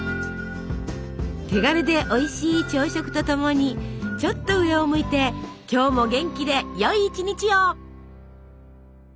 手軽でおいしい朝食と共にちょっと上を向いて今日も元気でよい一日を！